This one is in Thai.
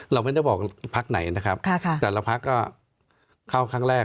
เราไม่ได้บอกพักไหนนะครับแต่ละพักก็เข้าครั้งแรก